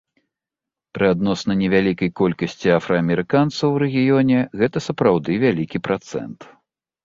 Пры адносна невялікай колькасці афраамерыканцаў у рэгіёне гэта сапраўды вялікі працэнт.